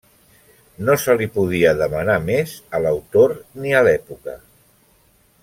No se li podia demanar més a l'autor ni a l'època.